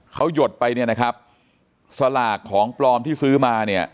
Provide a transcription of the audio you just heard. เขาหยดไปสลากของปลอมที่ซื้อมา